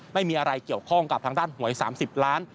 ไม่มีอะไรเกี่ยวข้องกับทางด้านหวย๓๐ล้าน